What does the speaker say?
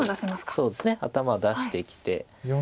そうですね頭出してきて。